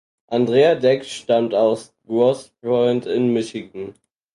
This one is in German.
Andrea Deck stammt aus Grosse Point in Michigan.